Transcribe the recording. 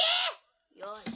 よし。